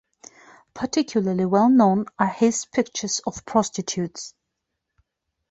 Particularly well known are his pictures of prostitutes.